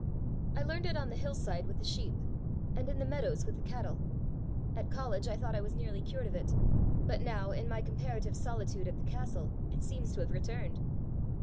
I learned it on the hill side with the sheep, and in the meadows with the cattle. At college I thought I was nearly cured of it; but now, in my comparative solitude at the castle, it seems to have returned."